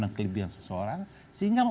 dan kelebihan seseorang sehingga